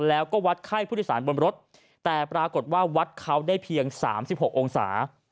แล้วก็วัดไข้ผู้โดยสารบนรถแต่ปรากฏว่าวัดเขาได้เพียง๓๖องศา